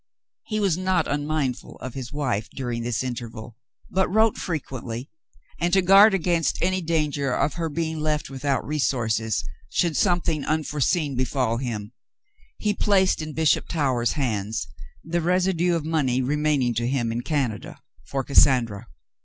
He was not unmindful of his wife during this interval, but wrote frequently, and, to guard against any danger of her being left without resources should something unfore seen befall him, he placed in Bishop Towers's hands the residue of money remaining to him in Canada, for Cas sandra.